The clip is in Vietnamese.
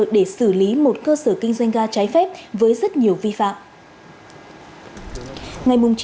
để xử lý một cơ sở kinh doanh ga trái phép với rất nhiều vi phạm